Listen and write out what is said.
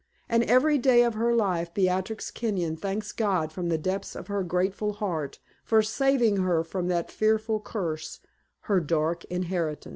And every day of her life Beatrix Kenyon thanks God from the depths of her grateful heart for saving her from that fearful curse her dark inheritance.